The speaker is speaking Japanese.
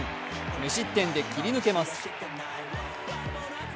無失点で切り抜けます。